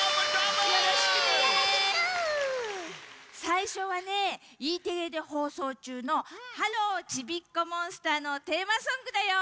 さいしょはねＥテレでほうそうちゅうの「ハロー！ちびっこモンスター」のテーマソングだよ。